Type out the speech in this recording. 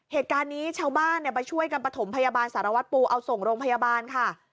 เหตุการณ์นี้ชาวบ้านไปช่วยกันประถมพยาบาลสารวัตรปูเอาส่งโรงพยาบาลค่ะ